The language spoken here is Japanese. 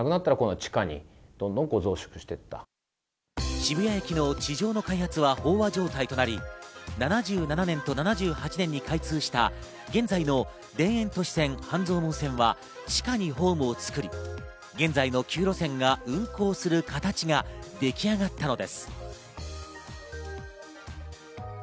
渋谷駅の地上の開発は飽和状態となり、７７年と７８年に開通した、現在の田園都市線、半蔵門線は地下にホームを造り、現在の９路線が運行する形が出来上がったのです。